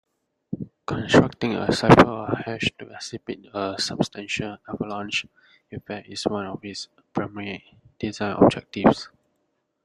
Constructing a cipher or hash to exhibit a substantial avalanche effect is one of its primary design objectives.